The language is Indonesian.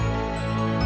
ntar dia nyap nyap aja